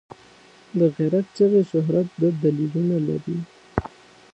د غیرت چغې شهرت دوه دلیلونه لري.